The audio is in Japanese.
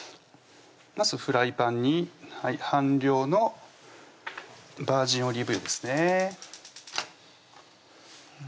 まずフライパンに半量のバージンオリーブ油ですね